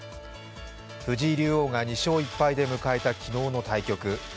藤井竜王が２勝１敗で迎えた昨日の対局。